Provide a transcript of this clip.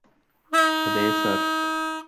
അതെ സർ